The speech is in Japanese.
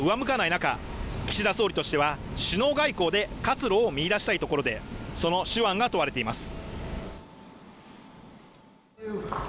中岸田総理としては首脳外交で活路を見いだしたいところで、その手腕が問われています